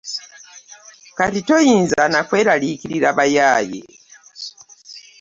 Kati toyinza na kweraliikirira bayaaye.